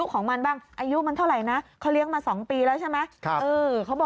ก็น่าจะปล่อยไว้นี่ครับ